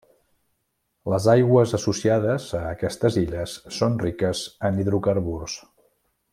Les Aigües associades a aquestes illes són riques en hidrocarburs.